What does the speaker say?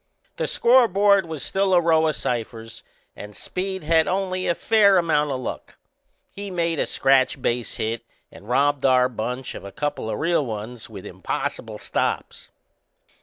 The scoreboard was still a row o' ciphers and Speed'd had only a fair amount o' luck. He'd made a scratch base hit and robbed our bunch of a couple o' real ones with impossible stops.